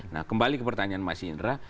nah kembali ke pertanyaan mas indra